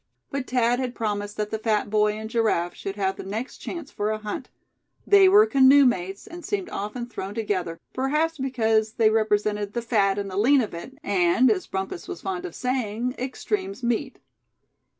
But Thad had promised that the fat boy and Giraffe should have the next chance for a hunt; they were canoemates, and seemed often thrown together, perhaps because they represented the "fat and the lean of it," and as Bumpus was fond of saying, "extremes meet."